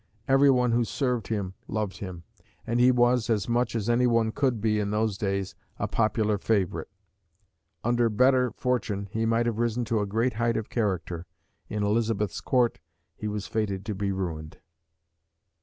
Every one who served him loved him; and he was, as much as any one could be in those days, a popular favourite. Under better fortune he might have risen to a great height of character; in Elizabeth's Court he was fated to be ruined.